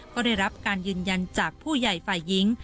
ก็ได้รับการยืนยันจากผู้ใหญ่ฝ่ายหญิง